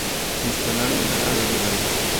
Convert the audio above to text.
Se instalaron en la ciudad de Dallas.